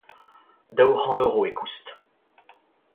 daou c'hant euro e koust.